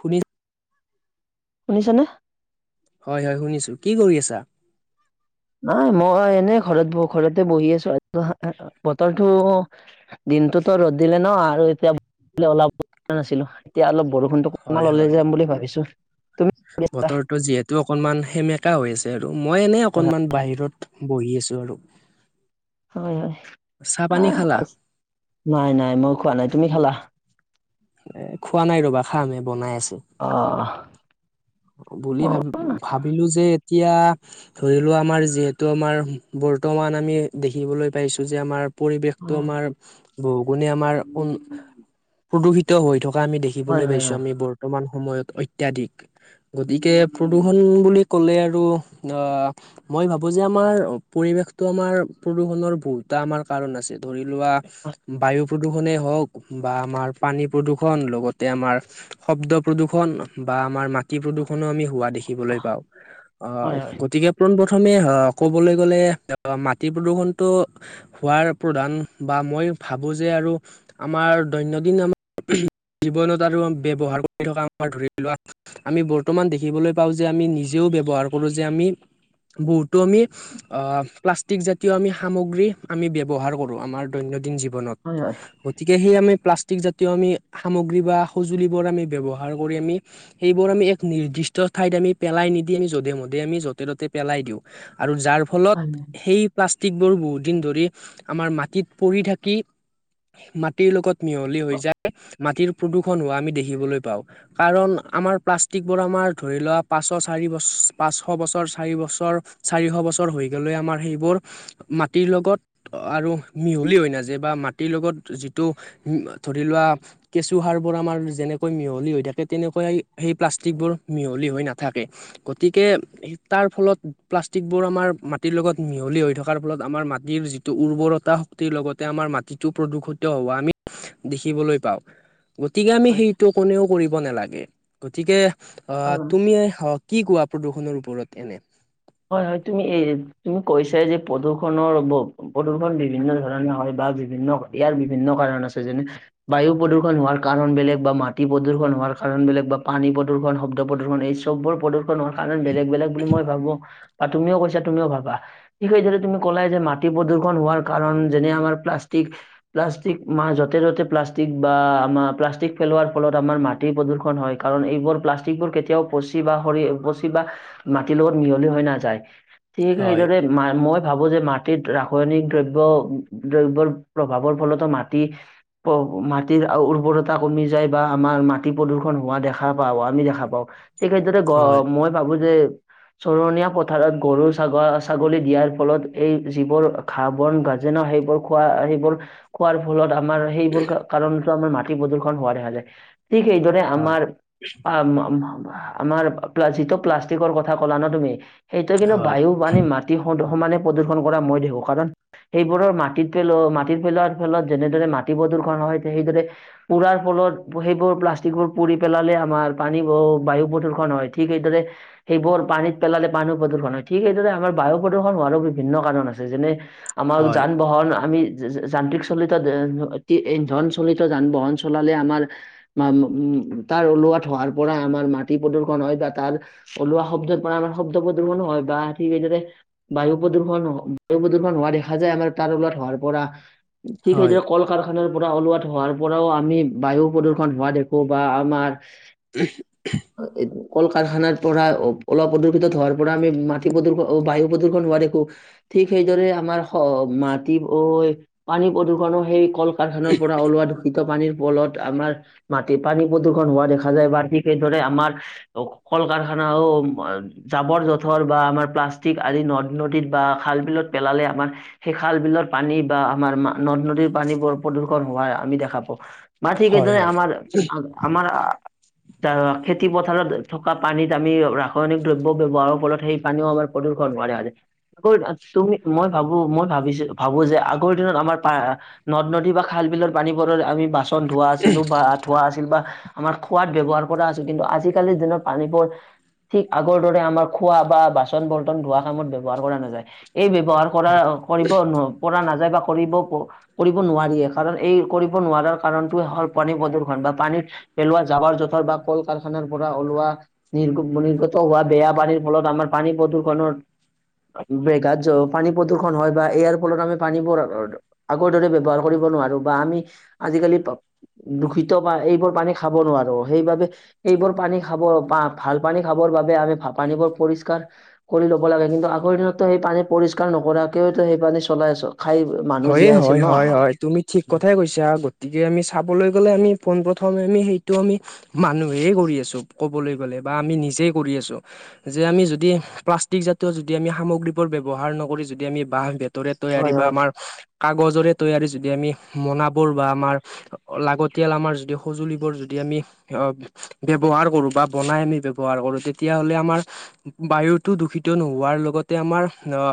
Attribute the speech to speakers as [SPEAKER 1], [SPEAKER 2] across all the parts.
[SPEAKER 1] শুনি
[SPEAKER 2] শুনিছানে?
[SPEAKER 1] হয়, হয়, শুনিছো কি কৰি আছা?
[SPEAKER 2] নাই, মই এনেই ঘৰত বহ ঘৰতে বহি আছো বতৰটো দিনটোতো ৰ'দ দিলে ন, আৰু এতিয়া ওলাব নাছিলো এতিয়া অলপ বৰষুণ যাম বুলি ভাবিছো ত
[SPEAKER 1] বতৰৰতো যিহেতু অকনমান সেমেকা হৈ আছে, আৰু মই এনেই অকনমান বাহিৰত বহি আছোঁ আৰু
[SPEAKER 2] হয়, হয়,
[SPEAKER 1] চাহ পানী
[SPEAKER 2] আহ
[SPEAKER 1] খালা?
[SPEAKER 2] নাই, নাই, মই খোৱা নাই তুমি খালা?
[SPEAKER 1] এ খোৱা নাই ৰবা, খামে বনাই আছে
[SPEAKER 2] অ',
[SPEAKER 1] বুলি ভাবি ভাবিলো যে এতিয়া ধৰি লোৱা আমাৰ, যিহেতু আমাৰ, বৰ্তমান আমি দেখিবলৈ পাইছো যে আমাৰ পৰিৱেশতটো আমাৰ বহুগুণে আমাৰ, প্ৰদূষিত হৈ থকা আমি দেখ
[SPEAKER 2] হয়
[SPEAKER 1] দেখিবলৈ
[SPEAKER 2] হয়
[SPEAKER 1] পাইছো,
[SPEAKER 2] হয়
[SPEAKER 1] আমি বৰ্তমান সময়ত অত্যাধিক গতিকে, প্ৰদূৰষণ বুলি ক'লে আৰু আহ মই ভাবো যে, আমাৰ পৰিৱেশতো আমাৰ প্ৰদূষণৰ ভহুতটা আমাৰ কাৰণ আছে ধৰি লোৱা বায়ু প্ৰদূষণে হওক, বা আমাৰ পানী প্ৰদূৰ্ষণ লগতে, আমাৰ শব্দ প্ৰদূষণ, বা আমাৰ ম মাতি প্ৰদূষণো আমি হোৱা দেখিবলৈ পাওঁ,
[SPEAKER 2] হয় হয়
[SPEAKER 1] আহ গতিকে পোন প্ৰথমে ক'বলৈ গ'লে মাটিৰ প্ৰদূৰ্ষণটো হোৱাৰ প্ৰধান, বা মই ভাবো যে আৰু আমাৰ দৈনন্দিন, আমাৰ জীৱনত আৰু ব্যৱহাৰ কৰি থকা আমাৰ ধৰি লোৱা আমি বৰ্তমান দেখিবলৈ পাওঁ যে, আমি নিজেও ব্যৱহাৰ কৰোঁ যে, আমি বহুতো আমি অ' প্লাষ্টিক জাতীয় আমি সামগ্ৰী আমি ব্যৱহাৰ কৰোঁ আমাৰ দৈনন্দিন জীৱনত।
[SPEAKER 2] হয় হয়।
[SPEAKER 1] গতিকে সেই আমি প্লাষ্টিক জাতীয় আমি সামগ্ৰী বা সঁজুলিবোৰ আমি ব্যৱহাৰ কৰি আমি সেইবোৰ আমি এক নিৰ্দিষ্ট ঠাইত আমি পেলাই নিদি আমি যধে মধে আমি য'তে ত'তে পেলাই দিওঁ। আৰু যাৰ ফলত
[SPEAKER 2] হয়
[SPEAKER 1] সেই প্লাষ্টিকবোৰ বহুত দিন ধৰি আমাৰ মাটিত পৰি থাকি মাটিৰ লগত মিহলি হৈ যায়, মাটিৰ প্ৰদূষণ হোৱা আমি দেখিবলৈ পাওঁ কাৰণ আমাৰ প্লাষ্টিকবোৰ আমাৰ ধৰি লোৱা পাঁচশ, চাৰি বছৰ, পাঁচশ বছৰ, চাৰি বছৰ চাৰিশ বছৰ হৈ গ'লে আমাৰ সেইবোৰ মাটিৰ লগত আৰু মিহলি হৈ নাযায় বা মাটিৰ লগত যিটো ধৰি লোৱা কেঁচু সাৰবোৰ আমাৰ যেনেকৈ মিহলি হৈ থাকে তেনেকুৱাই সেই প্লাষ্টিকবোৰ মিহলি হৈ নাথাকে গতিকে তাৰফলত প্লাষ্টিকবোৰ আমাৰ মাটিৰ লগত মিহলি হৈ থকাৰ ফলত আমাৰ মাটিৰ যিটো উৰ্বৰতা শক্তিৰ লগতে আমাৰ মাটিটো প্ৰদূষিত হোৱা আমি দেখিবলৈ পাওঁ। গতিকে আমি
[SPEAKER 2] হয়
[SPEAKER 1] সেইটো কোনেও কৰিব নালাগে। গতিকে আ,
[SPEAKER 2] হয় হয়
[SPEAKER 1] তুমি আ কি কোৱা প্ৰদূষণৰ ওপৰত এনে?
[SPEAKER 2] হয় হয় তুমি এ, তুমি কৈছা যে প্ৰদূষণৰ প্ৰদূষণ বিভিন্ন ধৰণে হয় বা বিভিন্ন ইয়াৰ বিভিন্ন কাৰণ আছে যেনে বায়ু প্ৰদূষণ হোৱাৰ কাৰণ বেলেগ বা মাটি প্ৰদূষণ হোৱাৰ কাৰণ বেলেগ বা পানী প্ৰদূ্ষণ, শব্দ প্ৰদূষণ এই চববোৰ প্ৰদূষণ হোৱাৰ কাৰণে বেলেগ বেলেগ বুলি মই ভাবোঁ বা তুমিও কৈছা তুমিও ভাবা ঠিক সেইদৰে তুমি ক'লা যে মাটি প্ৰদূষণ হোৱাৰ কাৰণ যেনে আমাৰ প্লাষ্টিক প্লাষ্টিক মা য'তে য'তে প্লাষ্টিক বা আমাৰ প্লাষ্টিক পেলোৱাৰ ফলত আমাৰ মাট প্ৰদূৰষণ হয় কাৰণ এইবোৰ প্লাষ্টিকবোৰ কেতিয়াও পচি বা সৰি পচি বা মাটিৰ লগত মিহলি হৈ নাযায়। ঠিক
[SPEAKER 1] হয়
[SPEAKER 2] সেইদৰে মা-মই ভাবোঁ যে মাটিত ৰাসায়নিক দ্ৰব্য দ্ৰব্যৰ প্ৰভাৱৰ ফলতো মাটি মাটিৰ উৰ্বৰতা কমি যায় বা আমাৰ মাটি প্ৰদূষণ হোৱা দেখা পাওঁ আমি দেখা পাওঁ। ঠিক সেইদৰে গ
[SPEAKER 1] হয়
[SPEAKER 2] মই ভাবোঁ যে চৰণীয়া পথাৰত গৰু ছাগ-ছাগলী দিয়াৰ ফলত এই যিবোৰ ঘাঁহ বন গাজেনা সেইবোৰ খোৱা সেইবোৰ খোৱাৰ ফলত আমাৰ সেইবোৰ কাৰণতো আমাৰ মাটি প্ৰদূ্ষন হোৱা দেখা যায়। ঠিক এইদৰে
[SPEAKER 1] হয়
[SPEAKER 2] আমাৰ পা মা আমাৰ পা যিটো প্লাষ্টিকৰ কথা ক'লা ন' তুমি সেইটো কিন্তু
[SPEAKER 1] হয়
[SPEAKER 2] বায়ু পানী মাটি সমানে প্ৰদূষন কৰে মই দেখো কাৰণ সেইবোৰৰ মাটিত পেলোৱা মাটিত পেলোৱাৰ ফলত যেনেদৰে মাটি প্ৰদূষণ হয় সেইদৰে পৰাৰ ফলত সেইবোৰ প্লাষ্টিকবোৰ পুৰি পেলালে আমাৰ পানী ব-বায়ু প্ৰদূষণ হয় ঠিক সেইদৰে সেইবোৰ পানীত পেলালে মানু প্ৰদূৰণ হয়। ঠিক সেইদৰে আমাৰ বায়ু প্ৰদূষণ হোৱাৰো বিভিন্ন কাৰণ আছে যেনে আমাৰ
[SPEAKER 1] হয়
[SPEAKER 2] যান বাহন আমি যান্ত্ৰিক চলিত ইন্ধন চলিত যান বাহন চলালে আমাৰ মা, তাৰ ওলোৱাত হোৱাৰপৰা আমাৰ মাটি প্ৰদূষণ হয় বা তাৰ ওলোৱা শব্দত মানে আমাৰ শব্দ প্ৰদূশণ হয় বা ঠিক সেইদৰে বায়ু প্ৰদূষণ বায়ু প্ৰদূষণ হোৱা দেখা যায় আমাৰ তাৰ ওলোৱাত হোৱাৰ পৰা, ঠিক
[SPEAKER 1] হয়
[SPEAKER 2] সেইদৰে কল কাৰখানাৰপৰা ওলোৱা ধোঁৱাৰপৰাও আমি বায়ু প্ৰদূষণ হোৱা দেখো বা আমাৰ
[SPEAKER 1] [unintelligible]
[SPEAKER 2] এই কল কাৰখানাৰপৰা অ' অলপদু দ্ৰুত ধোঁৱাৰপৰা আমি মাটি প্ৰদূ-বায়ু প্ৰদূষণ হোৱা দেখো। ঠিক সেইদৰে আমাৰ স মাটি অ' পানী প্ৰদূৰ্ষণো সেই কল কাৰখানাৰপৰা ওলোৱা ত' পানীৰ ফলত আমাৰ মাটি পানী প্ৰদূৰষণ হোৱা দেখা যায় বা ঠিক সেইদৰে আমাৰ অ' কল কাৰখানাও জাবৰ জোঁথৰ বা আমাৰ প্লাষ্টিক আদি নদ নদীত বা খাল বিলত পেলালে আমাৰ সেই খাল বিলৰ পানী বা আমাৰ নদ নদীৰ পানী বোৰ প্ৰদূষণ হোৱা আমি দেখা পাওঁ। বা ঠিক এই
[SPEAKER 1] হয়
[SPEAKER 2] দৰে
[SPEAKER 1] হয়।
[SPEAKER 2] আমাৰ আ আমাৰ খেতি পথাৰত থকা পানীত আমি ৰাসায়নিক দ্ৰব্য ব্যৱহাৰ ফলত সেই পানীও আমাৰ প্ৰদূষণ হোৱা দেখা যায়। আগৰ তুমি মই ভাবো মই ভাবিছো ভাবো যে আগৰ দিনত আমাৰ প নদ নদী বা খাল বিলৰ পানীবোৰত আমি বাচন ধোৱা আছিলো বা ধোৱা আছিল বা আমাৰ খোৱাদ ব্যৱহাৰ কৰা আছিল কিন্তু আজিকালিৰ দিনত পানীবোৰ ঠিক আগৰ দৰে আমাৰ খোৱা বা বাচন বৰ্তন ধোৱা কামত ব্যৱহাৰ কৰা নাযায় এই ব্যৱহাৰ কৰা কৰিব পৰা নাযায় বা কৰিব কৰিব নোৱাৰিয়ে কাৰণ এই কৰিব নোৱাৰাৰ কাৰণতে হ'ল পানী প্ৰদূশন বা পানীৰ পেলোৱা জাৱাৰ জোথৰ বা কল কাৰখানাৰ পৰা ওলোৱা [unintelligible] হোৱা বেয়া পানীৰ ফলত আমাৰ পানী প্ৰদূষণৰ [unintelligible] পানী প্ৰদূষণ হয় বা ইয়াৰ ফলত আমি পানী আগৰ দৰে ব্যৱহাৰ কৰিব নোৱাৰো বা আমি আজিকালি দূষিত প এইবোৰ পানী খাব নোৱাৰো সেইবাবে এইবোৰ পানী খাব ভাল পানী খাব ৰ বাবে আমি ভ পানীবোৰ পৰিষ্কাৰ কৰি ল'ব লাগে কিন্তু আগৰ দিনতো সেই পানী পৰিষ্কাৰ নকৰাকেও সেই পানী চলাই আছ খাই মানুহ
[SPEAKER 1] হয়ে,
[SPEAKER 2] জীয়াই আছিল
[SPEAKER 1] হয়,
[SPEAKER 2] ন
[SPEAKER 1] হয়, হয়, তুমি ঠিক কথাই কৈছে আৰু গতিকে আমি চাবলৈ গ'লে আমি পোনপ্ৰথমে আমি সেইটো আমি মানুহেই কৰি আছো কবলৈ গ'লে বা আমি নিজেই কৰি আছো। যে আমি যদি প্লাষ্টিক জাতীয় যদি আমি সামগ্ৰীবোৰ ব্যৱহাৰ নকৰি যদি আমি বাহ ৰে তৈয়াৰী
[SPEAKER 2] হয়
[SPEAKER 1] বা
[SPEAKER 2] হয়
[SPEAKER 1] আমাৰ কাগজৰে তৈয়াৰী যদি আমি মোনাবোৰ বা আমাৰ লাগতিয়াল আমাৰ যদি সঁজুলিবোৰ যদি আমি আহ ব্যৱহাৰ কৰো বা বনাই আমি ব্যৱহাৰ কৰো তেতিয়া হ'লে আমাৰ বায়ুটো দূষিত নোহোৱাৰ লগতে আমাৰ আহ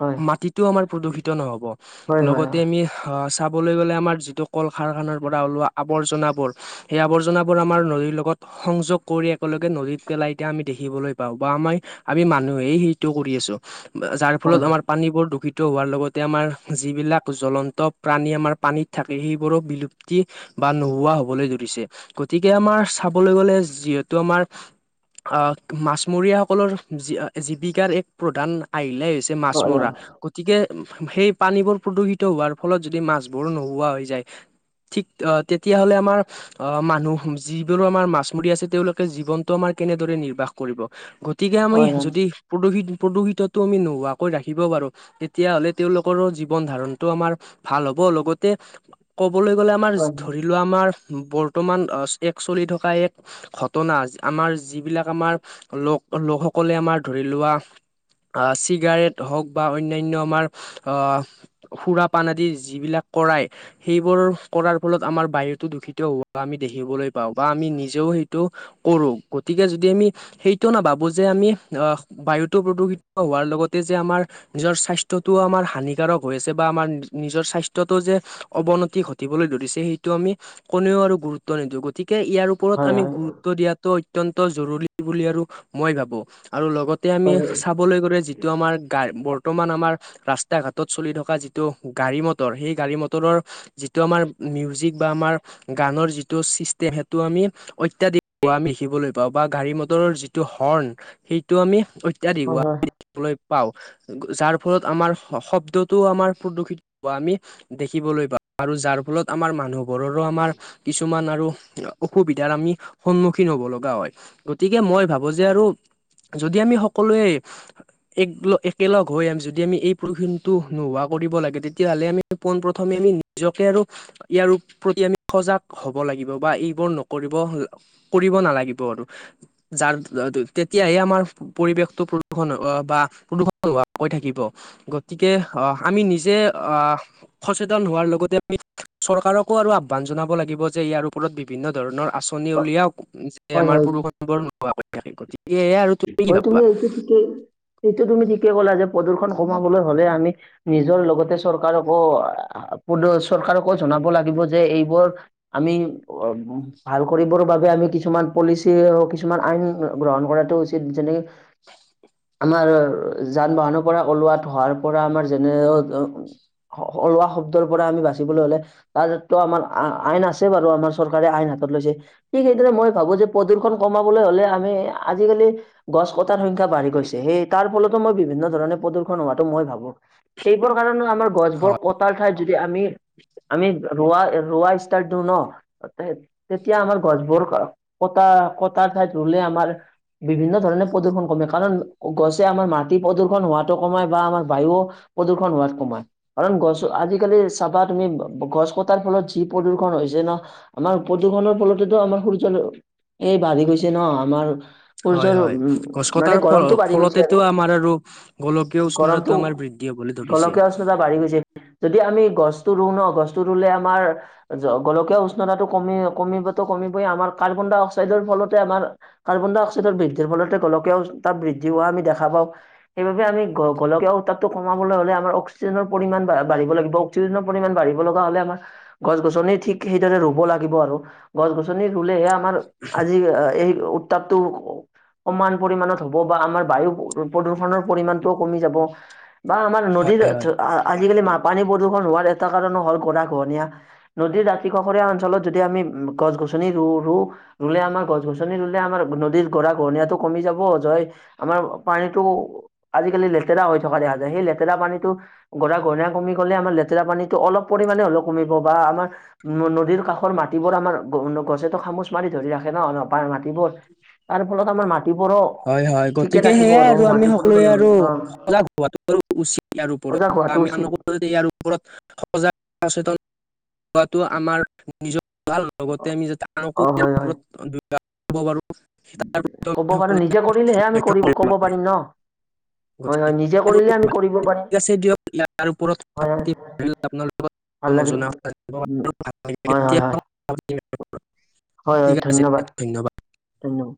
[SPEAKER 2] হয়
[SPEAKER 1] মাটিটোও আমাৰ প্ৰদূষিত নহ'ব
[SPEAKER 2] হয় হয়
[SPEAKER 1] লগতে আমি আহ চাবলৈ গ'লে আমাৰ যিটো কল কাৰখানাৰ পৰা ওলোৱা আৱৰ্জনাবোৰ সেই আৱৰ্জনাবোৰ আমাৰ নদীৰ লগত সংযোগ কৰি একেলগে নদীত পেলাই দিয়া আমি দেখিবলৈ পাওঁ বা আমাৰ আমি মানুহেই কৰি আছো যাৰ
[SPEAKER 2] হয় হয়
[SPEAKER 1] ফলত আমাৰ পানী বোৰ দূষিত হোৱাৰ লগতে তে আমাৰ যিবিলাক জ্বলন্ত প্ৰাণী আমাৰ পানীত থাকে সেইবোৰো বিলুপ্তি বা নোহোৱা হ'বলৈ ধৰিছে গতিকে আমাৰ চাবলৈ গলে যিহেতু আমাৰ আহ মাছমৰীয়াসকলৰ জীৱিকাৰ এক প্ৰধান আহিলাই হৈছে মাছ
[SPEAKER 2] হয়
[SPEAKER 1] মৰা গতিকে সেই পানীবোৰ প্ৰদূষিত হোৱাৰ ফলত যদি মাছবোৰো নোহোৱা হৈ যায় ঠিক অ' তেতিয়াাহ'লে আমাৰ আহ মানুহ যিবোৰো আমাৰ মাছমৰীয়া আছে তেওঁলোকে জীৱনটো আমাৰ কেনেদৰে নিৰ্বাহ কৰিব? গতিকে আমি
[SPEAKER 2] হয় হয় হয়
[SPEAKER 1] যদি প্ৰদূষিত প্ৰদূষিতটো আমি নোহোৱাকৈ ৰাখিব পাৰোঁ তেতিয়াাহ'লে তেওঁওলোকৰো জীৱন ধাৰণটো আমাৰ ভাল হ'ব লগতে ক'বলৈ গ'লে আমাৰ
[SPEAKER 2] হয়
[SPEAKER 1] ধৰি লোৱা আমাৰ বৰ্তমান এক চলি থকা এক ঘটনা আমাৰ যিবিলাক আমাৰ লোক লোকসকলে আমাৰ ধৰি লোৱা আহ চিগাৰেট হওক বা অন্যান্য আমাৰ আহ সুৰা পান আদি যিবিলাক কৰাই সেইবোৰ কৰাৰ ফলত আমাৰ বায়ূতো দূষিত হোৱা আমি দেখিবলৈ পাও বা আমি নিজেও সেইটো কৰো গতিকে যদি আমি সেইটোও নাভাবো যে আমি আহ বায়ুত প্ৰদূষিত হোৱাৰ লগতে যে আমাৰ নিজৰ স্বাস্থ্য স্বাস্থ্যটোও আমাৰ হানিকাৰক হৈ আছে বা আমাৰ নিজৰ স্বাস্থ্যটো যে অৱনতি ঘটিবলৈ ধৰিছে সেইটো আমি কোনেও আৰু গুৰুত্ব নিদিওঁ গতিকে ইয়াৰ
[SPEAKER 2] হয়
[SPEAKER 1] ওপৰত
[SPEAKER 2] হয় হয়
[SPEAKER 1] আমি গুৰুত্ব দিয়াটো অত্যন্ত জৰুৰী বুলি আৰু মই ভাবোঁ আৰু লগত তাতে আমি
[SPEAKER 2] হয়
[SPEAKER 1] চাবলৈ গ'লে, যিটো আমাৰ গা বৰ্তমান আমাৰ। ৰাস্তা ঘাটত চলি থকা যিটো গাড়ী মটৰ, সেই গাড়ী মটৰৰ। যিটো আমাৰ মিউজিক বা আমাৰ গানৰ যিটো ছিষ্টেম সেইটো আমি অত্যাধিক হ আমি দেখিবলৈ পাওঁ বা গাড়ী মটৰৰ যিটো হৰ্ণ সেইটো আমি ইত্যাদি হোৱা
[SPEAKER 2] হয়
[SPEAKER 1] আমি দেখিবলৈ পাওঁ যাৰ। ফলত আমাৰ শ শব্দটোও আমাৰ প্ৰদূষিত হ'ব আমি। দেখিবলৈ পাওঁ আৰু যাৰ ফলত আমাৰ মানুহবোৰৰো আমাৰ। কিছুমান আৰু অসুবিধাৰ আমি সন্মুখীন হ'ব লগা হয়। গতিকে, মই ভাবো যে আৰু যদি আমি সকলোৱে এক একেলগ হৈ আম যদি। যদি আমি এই প্ৰদূষণটো নোহোৱা কৰিব লাগে। তেতিয়া হ'লে আমি পোন প্ৰথমে আমি নিজকে আৰু ইয়াৰ প্ৰতি আমি সজাগ হ'ব লাগিব বা এইবোৰ নকৰিব। কৰিব নালাগিব আৰু যাৰ তেতিয়াহে আমাৰ। পৰিৱেশটো প্ৰদূষণ বা প্ৰদূৰণ হ হৈ থাকিব। গতিকে আহ আমি নিজে আহ সচেতন হোৱাৰ লগতে আমি। চৰকাৰকো আৰু আহ্বান জনাব লাগিব যে ইয়াৰ ওপৰত বিভিন্ন ধৰণৰ আচৰণি। উলিয়াওক যে
[SPEAKER 2] হয়
[SPEAKER 1] আমাৰ
[SPEAKER 2] হয়
[SPEAKER 1] প্ৰদূষণ বোৰ নোহোৱা থাকে গতিকে আৰু। কি
[SPEAKER 2] হয় তুমি
[SPEAKER 1] ভাবা?
[SPEAKER 2] এইটো ঠিকেই এইটো তুমি ঠিকেই ক'লা যে প্ৰদূষণ কমাবলৈ হ'লে আমি। নিজৰ লগতে চৰকাৰকো পুনৰ চৰকাৰকো জনাব লাগিব যে এইবোৰ। আমি। অ' ভাল কৰিবৰ বাবে আমি কিছুমান পলিচিও কিছুমান আইন গ্ৰহণ কৰাটো উচিত। যেনে
[SPEAKER 1] [unintelligible]
[SPEAKER 2] আমাৰ যান বাহনৰ পৰা ওলোৱাত ধোৱাৰ পৰা আমাৰ যেনে ওলোৱা শব্দৰ পৰা আমি বাচিবলৈ হ'লে। তাতো আমাৰ আইন আছে বাৰু। আমাৰ চৰকাৰে আইন হাতত লৈছে। ঠিক সেইদৰে মই ভাবোঁ যে প্ৰদূ্ষণ কমাবলৈ হ'লে আমি আজিকালি। গছ কটাৰ সংখ্যা বাঢ়ি গৈছে। সেই তাৰ ফলতো মই বিভিন্ন ধৰণে প্ৰদূ্ষন হোৱাটো মই ভাবোঁ। সেইবোৰ কাৰণেও আমাৰ গছ বোৰ কটাৰ ঠাইত যদি আমি আমি। ৰোৱা ৰোৱা ষ্টাৰ্ট দিওঁ ন। তেতিয়া আমাৰ গছবোৰ কটা কটাৰ ঠাইত ৰুলে আমাৰ। বিভিন্ন ধৰণে প্ৰদূ্ষন কমে কাৰণ গছে আমাৰ মাটি প্ৰদূ্ষন হোৱাতটো কমাই বা আমাক বায়ু। প্ৰদূষন হোৱাত কমায়। কাৰণ গছ আজিকালি চাবা তুমি গছ কটাৰ ফলত যি প্ৰদূ্ষন হৈছে ন। আমাৰ প্ৰদূষণৰ ফলতেতো আমাৰ সূৰ্য্য এই বাঢ়ি গৈছে ন আমাৰ।
[SPEAKER 1] হয়
[SPEAKER 2] সূৰ্য্যৰ উম
[SPEAKER 1] হয় গছ
[SPEAKER 2] মানে
[SPEAKER 1] কটাৰ ফল
[SPEAKER 2] গৰমটো বাঢ়ি গৈছে,
[SPEAKER 1] ফলতেতো
[SPEAKER 2] আৰু
[SPEAKER 1] আমাৰ আৰু গোলকীয় উষ্ণতাটো
[SPEAKER 2] গৰমটো।
[SPEAKER 1] আমাৰ বৃদ্ধি হবলৈ ধৰিছে।
[SPEAKER 2] গলকীয়া উষ্ণতা বাঢ়ি গৈছে, যদি আমি গছটো ৰুওঁ ন গছটো ৰুলে আমাৰ। গোলকীয় উষ্ণতাটো কমি কমিবো কমিবই আমাৰ কাৰ্বন ডাই অক্সাইডৰ ফলতে আমাৰ। কাৰ্বন ডাই অক্সাইডৰ বৃদ্ধিৰ ফলতে গলকেও তাত বৃদ্ধি হোৱা আমি দেখা পাওঁ। সেইবাবে আমি গলক উতাপটো কমাবলৈ হ'লে আমাৰ অক্সিজেনৰ পৰিমাণ বা বাঢ়িব লাগিব। অক্সিজেন পৰিমাণ বাঢ়িব লগা হ'লে আমাৰ। গছ গছনি ঠিক সেইদৰে ৰুব লাগিব আৰু গছ গছনি ৰুলেহে আমাৰ। আমাৰ আজি এই উত্তাপটো। সমান পৰিমানত হ'ব বা আমাৰ বায়ু প্ৰদূষণৰ পৰিমণটোও কমি যাব। বা আমাৰ নদীৰ
[SPEAKER 1] হয় হয়
[SPEAKER 2] আজিকালি পানী প্ৰদূষণ হোৱাৰ এটা কাৰণো হ'ল গৰাখহনীয়া। নদীৰ দাতি কাষৰীয়া অঞ্চলত যদি আমি গছ গছনি ৰু ৰু। ৰুলে আমাৰ গছ গছনি ৰুলে আমাৰ নদীৰ। গৰা খহনিয়াটো কমি যাব যয় আমাৰ পানীটো। আজিকালি লেতেৰা হৈ থকা দেখা যায়, সেই লেতেৰা পানীতো। গৰা খহনীয়া কমি গ'লে আমাৰ লেতেৰা পানীটো অলপ পৰিমাণে হ'লেও কমিব বা আমাৰ। নদীৰ কাষৰ মাটিবোৰ আমাৰ গছেতো খামুচ মাৰি ধৰি ৰাখে ন' নাপাই মাটিবোৰ। তাৰফলত আমাৰ মাটিবোৰো।
[SPEAKER 1] হয়, হয়।
[SPEAKER 2] ঠিকে
[SPEAKER 1] গতিকে
[SPEAKER 2] থাকিব
[SPEAKER 1] সেইয়াই আৰু আমি
[SPEAKER 2] মাটি
[SPEAKER 1] সকলোৱে
[SPEAKER 2] প্ৰদূষণ
[SPEAKER 1] আৰু
[SPEAKER 2] অ
[SPEAKER 1] সজাগ হোৱাতো উচিত ইয়াৰ ওপৰত
[SPEAKER 2] অজা
[SPEAKER 1] বা
[SPEAKER 2] হোৱাটো
[SPEAKER 1] আমি
[SPEAKER 2] উচিত
[SPEAKER 1] আনকো ইয়াৰ ওপৰত সজাগ সচেতন হোৱাটো আমাৰ নিজৰ লগতে আমি আনকো
[SPEAKER 2] অ
[SPEAKER 1] ইয়াৰ
[SPEAKER 2] হয় হয়
[SPEAKER 1] ওপৰত [unintelligible] পাৰোঁ। তাৰ প্ৰতি
[SPEAKER 2] ক'ব
[SPEAKER 1] আমি
[SPEAKER 2] পাৰোঁ
[SPEAKER 1] সকলোৱে
[SPEAKER 2] নিজে কৰিলেহে আমি
[SPEAKER 1] লক্ষ্য
[SPEAKER 2] কৰিব ক'ব
[SPEAKER 1] লাগে
[SPEAKER 2] পাৰিম ন'। হয়
[SPEAKER 1] গতিকে
[SPEAKER 2] হয় নিজে কৰিলে আমি কৰিব
[SPEAKER 1] [unintelligible]
[SPEAKER 2] পাৰিম
[SPEAKER 1] থিক আছে দিয়ক ইয়াৰ ওপৰত
[SPEAKER 2] হয় হয়
[SPEAKER 1] কথাপাতি আপোনৰ লগত
[SPEAKER 2] ভাল
[SPEAKER 1] আৰু
[SPEAKER 2] লাগিল
[SPEAKER 1] নজনা
[SPEAKER 2] উম,
[SPEAKER 1] কথা
[SPEAKER 2] হয় হয় হয়
[SPEAKER 1] জানিব [unintelligible]
[SPEAKER 2] হয়, হয়, ধন্যবাদ। ধন্যবাদ।